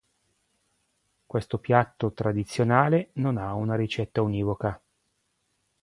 Questo piatto tradizionale non ha una ricetta univoca.